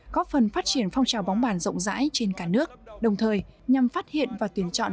góp phần phát triển phong trào bóng bàn rộng rãi trên cả nước đồng thời nhằm phát hiện và tuyển chọn